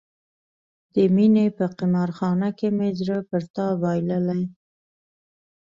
د مینې په قمار خانه کې مې زړه پر تا بایللی.